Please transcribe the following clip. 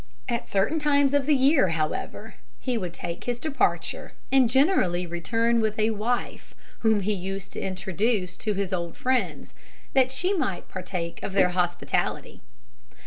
At certain times of the year, however, he would take his departure, and generally return with a wife, whom he used to introduce to his old friends, that she might partake of their hospitality.